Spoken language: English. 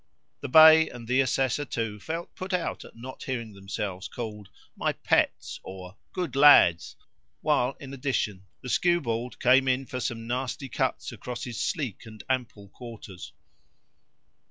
The bay and the Assessor too felt put out at not hearing themselves called "my pets" or "good lads"; while, in addition, the skewbald came in for some nasty cuts across his sleek and ample quarters.